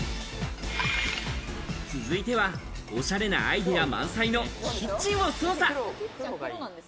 続いては、おしゃれなアイデア満載のキッチンを捜査。